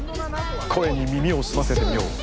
声に耳を澄ませてみよう。